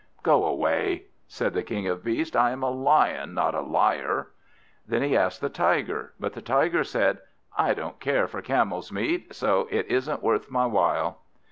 "Go away," said the King of Beasts; "I am a Lion, not a liar." Then he asked the Tiger, but the Tiger said "I don't care for Camel's meat, so it isn't worth my while."